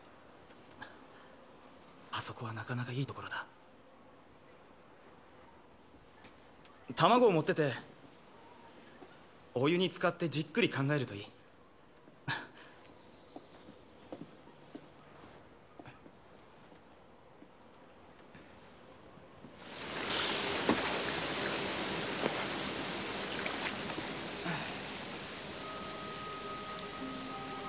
あそこはなかなかいいところだ卵を持ってってお湯につかってじっくり考えるといいああ